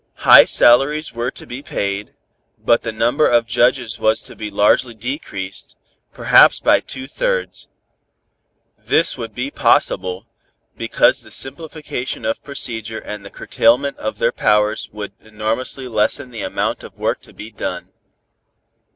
High salaries were to be paid, but the number of judges was to be largely decreased, perhaps by two thirds. This would be possible, because the simplification of procedure and the curtailment of their powers would enormously lessen the amount of work to be done.